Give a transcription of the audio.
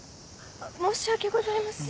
申し訳ございません。